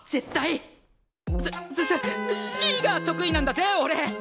すすすスキーが得意なんだぜおれ！